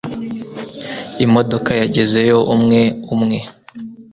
Imodoka zagezeyo umwe umwe